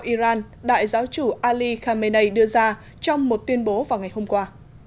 iran đại giáo chủ ali khamenei đưa ra trong một tuyên bố vào ngày hôm qua